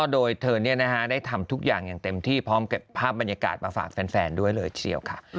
โดยเธอได้ทำทุกอย่างอย่างเต็มที่พร้อมกับภาพบรรยากาศมาฝากแฟนด้วยเลยเชียวค่ะ